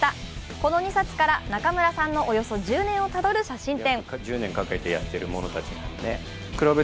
この２冊から中村さんのおよそ１０年間をたどる写真展。